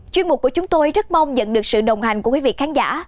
chuyên mục của chúng tôi rất mong nhận được sự đồng hành của quý vị khán giả